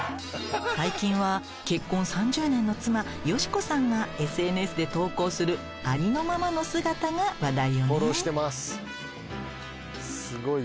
最近は結婚３０年の妻佳子さんがＳＮＳで投稿するありのままの姿が話題よね。